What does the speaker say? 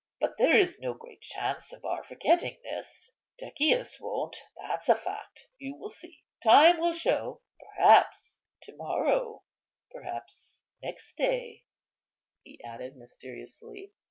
But there is no great chance of our forgetting this; Decius won't; that's a fact. You will see. Time will show; perhaps to morrow, perhaps next day," he added, mysteriously.